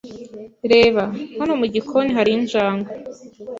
Reba! Hano mu gikoni hari injangwe.